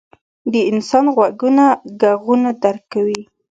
• د انسان غوږونه ږغونه درک کوي.